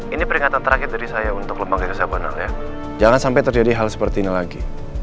ini peringatan terakhir dari saya untuk lembaga kesehatan jangan sampai terjadi hal seperti ini lagi